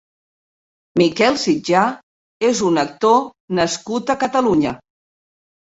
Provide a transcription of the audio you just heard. Miquel Sitjar és un actor nascut a Catalunya.